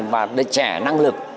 và đời trẻ năng lực